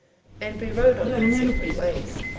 And we rode on our separate ways.